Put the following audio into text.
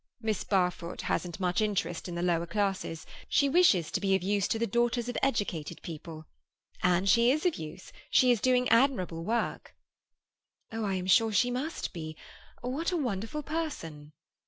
Miss Barfoot hasn't much interest in the lower classes; she wishes to be of use to the daughters of educated people. And she is of use. She is doing admirable work." "Oh, I am sure she must be! What a wonderful person!"